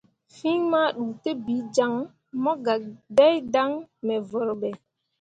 Fîi maduutǝbiijaŋ mo gah dai dan me vurɓe.